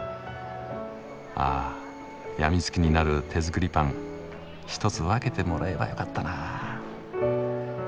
あ病みつきになる手作りパン１つ分けてもらえばよかったなあ。